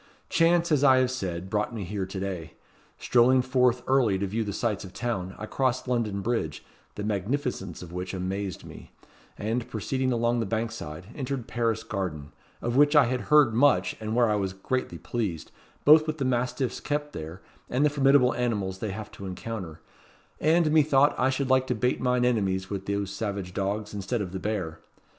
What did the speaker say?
Chance, as I have said, brought me here to day. Strolling forth early to view the sights of town, I crossed London Bridge, the magnificence of which amazed me; and, proceeding along the Bankside, entered Paris Garden, of which I had heard much, and where I was greatly pleased, both with the mastiffs kept there, and the formidable animals they have to encounter; and, methought, I should like to bait mine enemies with those savage dogs, instead of the bear.